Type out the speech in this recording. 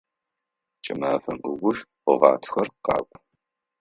Кӏымафэм ыуж гъатхэр къэкӏо.